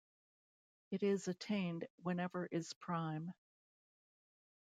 It is attained whenever is prime.